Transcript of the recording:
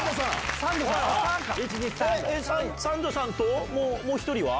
三度さんと、もう１人は？